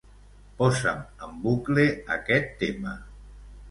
Posa'm en bucle aquest tema.